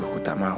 aku tak mau